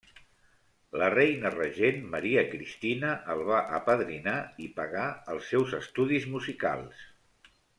La reina regent, Maria Cristina, el va apadrinar i pagar els seus estudis musicals.